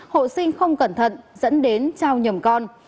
hộ sinh không cẩn thận dẫn đến trao nhầm con